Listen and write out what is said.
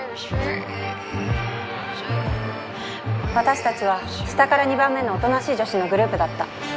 私たちは下から二番目の「大人しい女子」のグループだった。